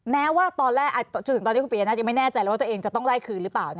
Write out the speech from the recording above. แม้ว่าตอนแรกจนถึงตอนนี้คุณปียนัทยังไม่แน่ใจเลยว่าตัวเองจะต้องได้คืนหรือเปล่า